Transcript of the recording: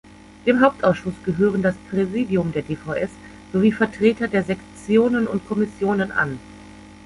Dem Hauptausschuss gehören das Präsidium der dvs sowie Vertreter der Sektionen und Kommissionen an.